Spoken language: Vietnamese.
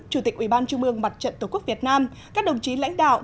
chủ tịch ủy ban trung mương mặt trận tổ quốc việt nam các đồng chí lãnh đạo